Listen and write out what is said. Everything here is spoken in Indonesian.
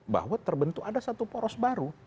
bahwa terbentuk ada satu poros baru